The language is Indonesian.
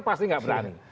pasti nggak berani